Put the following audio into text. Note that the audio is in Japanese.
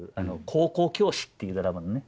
「高校教師」っていうドラマのね。